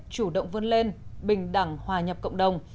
chủ động vươn lên bình đẳng hòa nhập cộng đồng